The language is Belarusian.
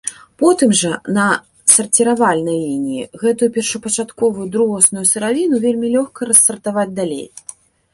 Потым жа, на сарціравальнай лініі, гэтую першапачатковую другасную сыравіну вельмі лёгка рассартаваць далей.